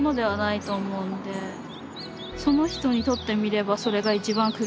その人にとってみればそれが一番苦しくて。